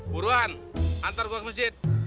buruan antar goa ke masjid